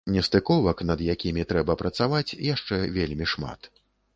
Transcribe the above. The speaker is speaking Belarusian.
Нестыковак, над якімі трэба працаваць, яшчэ вельмі шмат.